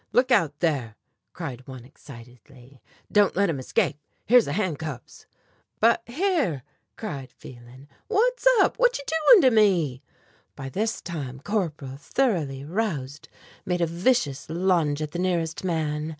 "Look out there," cried one excitedly; "don't let him escape; here's the handcuffs." "But here," cried Phelan, "what's up; what you doing to me?" By this time Corporal, thoroughly roused, made a vicious lunge at the nearest man.